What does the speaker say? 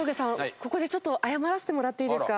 ここでちょっと謝らせてもらっていいですか？